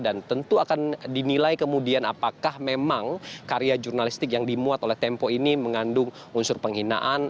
dan tentu akan dinilai kemudian apakah memang karya jurnalistik yang dimuat oleh tempo ini mengandung unsur penghinaan